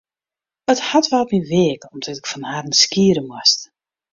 It hart waard my weak om't ik fan harren skiede moast.